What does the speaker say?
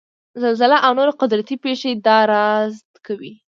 زلزله او نورې قدرتي پېښې دا رازد کوي.